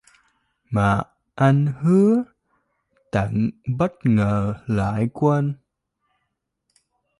Mà anh hứa tặng bất ngờ lại quên